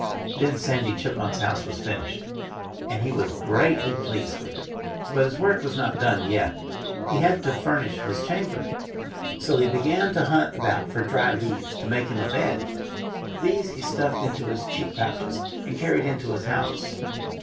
Then Sandy Chipmunk's house was finished. And he was greatly pleased with it. But his work was not yet done. He had to furnish his chamber. So he began to hunt about for dry leaves, to make him a bed. These he stuffed into his cheek pouches and carried into his house.